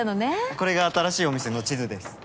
これが新しいお店の地図です。